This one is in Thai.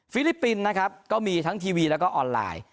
ลิปปินส์นะครับก็มีทั้งทีวีแล้วก็ออนไลน์